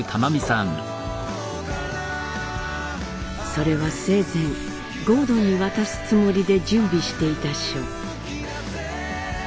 それは生前郷敦に渡すつもりで準備していた書。